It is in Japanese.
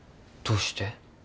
どうして？